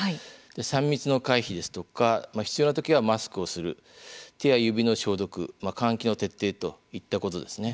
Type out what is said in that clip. ３密の回避ですとか必要な時はマスクをする手や指の消毒換気の徹底といったことです。